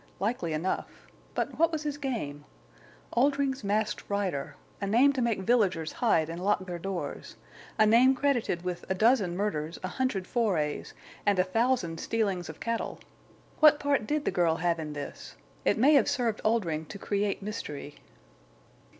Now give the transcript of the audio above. Likely enough. But what was his game? Oldring's Masked Rider! A name to make villagers hide and lock their doors. A name credited with a dozen murders, a hundred forays, and a thousand stealings of cattle. What part did the girl have in this? It may have served Oldring to create mystery."